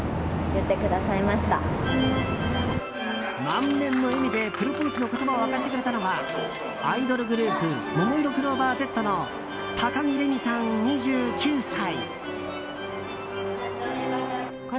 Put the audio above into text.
満面の笑みでプロポーズの言葉を明かしてくれたのはアイドルグループももいろクローバーＺの高城れにさん、２９歳。